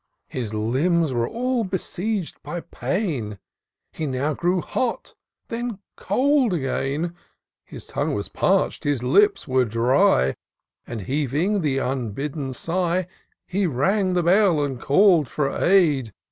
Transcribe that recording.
His limbs were all besieg'd by pain ; He now grew hot, then cold again: His tongue was parch'd, his lips were dry, And, heaving the unbidden sigh. He rang the bell, and call'd for aid.